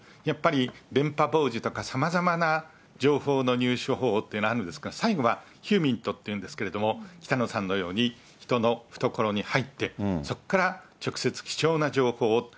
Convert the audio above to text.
やっぱり、電波傍受とかさまざまな情報の入手方法とかあるんですが、最後はヒューミントっていうんですけど、北野さんのように、人の懐に入って、そこから直接貴重な情報を。